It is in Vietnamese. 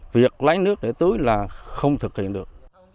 việc lấy nước để tưới là không thực hiện được